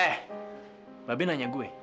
eh mbak ben nanya gue